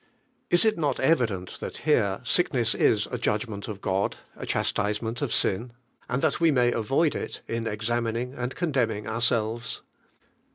Is it not evident that here sickness is a judgment of God, a chastisement of sin. and that we may avoid ii in examining and condemning ourselves?